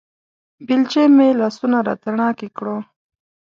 بېلچې مې لاسونه راتڼاکې کړو